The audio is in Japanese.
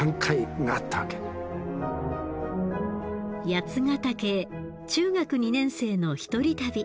八ヶ岳へ中学２年生の一人旅。